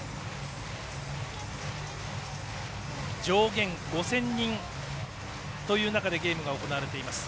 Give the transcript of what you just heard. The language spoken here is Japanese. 上限５０００人という中でゲームが行われています。